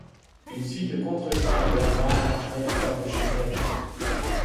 Une suite de contretemps et de hasards l'entraîne hors de chez elle.